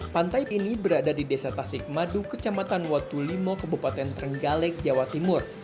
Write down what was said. pantai ini berada di desa tasik madu kecamatan watulimo kebupaten trenggalek jawa timur